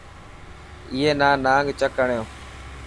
اي نا نانگ چڪ هڻيو.